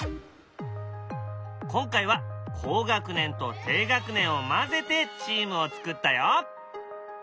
今回は高学年と低学年を交ぜてチームを作ったよ。